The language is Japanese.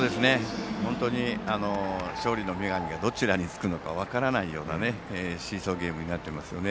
本当に勝利の女神がどちらにつくのか分からないようなシーソーゲームになっていますね。